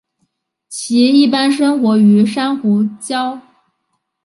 其一般生活于珊瑚礁。